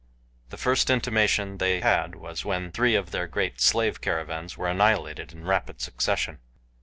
The first intimation they had was when three of their great slave caravans were annihilated in rapid succession.